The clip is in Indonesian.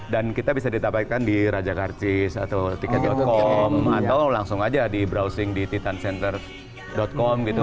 dan kita bisa ditabaikan di rajakartis atau tiket com atau langsung aja di browsing di titancenter com gitu